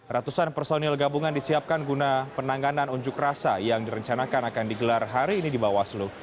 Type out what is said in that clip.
ratusan personil gabungan disiapkan guna penanganan unjuk rasa yang direncanakan akan digelar hari ini di bawaslu